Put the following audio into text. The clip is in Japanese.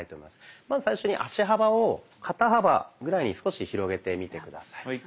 まず最初に足幅を肩幅ぐらいに少し広げてみて下さい。